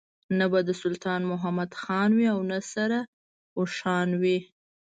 نه به سلطان محمد خان وي او نه سره اوښان وي.